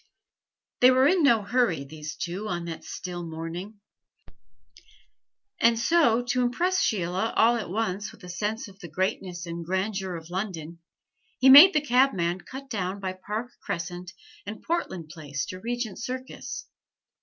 They were in no hurry, these two, on that still morning; and so, to impress Sheila all at once with a sense of the greatness and grandeur of London, he made the cabman cut down by Park Crescent and Portland Place to Regent Circus.